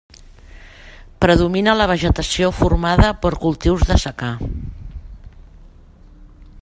Predomina la vegetació formada per cultius de secà.